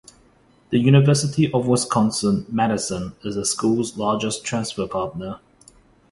The University of Wisconsin--Madison is the school's largest transfer partner.